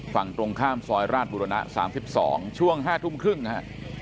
ฝั่งตรงข้ามซอยราชบุรณะ๓๒ช่วง๕ทุ่มครึ่งนะฮะ